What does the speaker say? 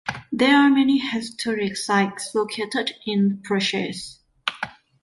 There are many historic sites located in Purchase.